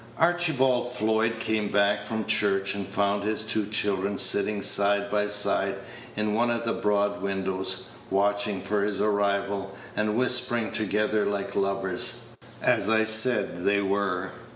Archibald Floyd came back from church, and found his two children sitting side by side in one of the broad windows, watching for his arrival, and whispering together like lovers, as I have said they were.